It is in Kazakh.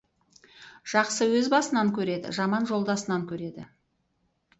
Жақсы өз басынан көреді, жаман жолдасынан көреді.